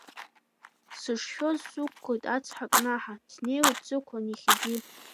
Сышшәоз сықәлеит ацҳа кнаҳа, снеиуеит сықәлан иахьагьы.